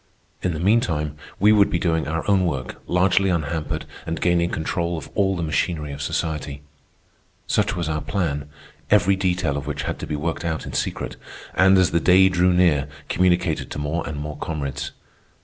In the meantime we would be doing our own work, largely unhampered, and gaining control of all the machinery of society. Such was our plan, every detail of which had to be worked out in secret, and, as the day drew near, communicated to more and more comrades.